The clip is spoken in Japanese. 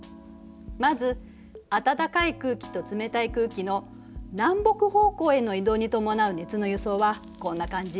まず暖かい空気と冷たい空気の南北方向への移動に伴う熱の輸送はこんな感じ。